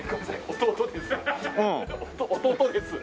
弟です。